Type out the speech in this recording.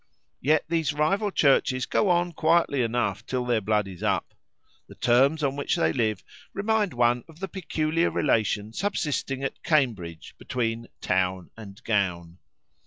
Yet these rival Churches go on quietly enough till their blood is up. The terms on which they live remind one of the peculiar relation subsisting at Cambridge between "town and gown."